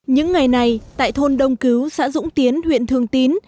những ngày này tại thôn đông cứu xã dũng tiến huyện thường tín